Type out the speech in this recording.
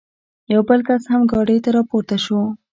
یو بل کس هم ګاډۍ ته را پورته شو.